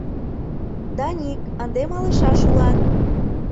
— Даник, ынде малышаш улат.